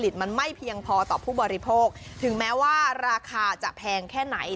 ต่อผู้บริโภคถึงแม้ว่าราคาจะแพงแค่ไหน